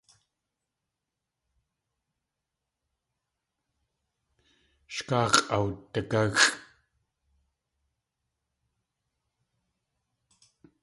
Sh káa x̲ʼawdigáxʼ.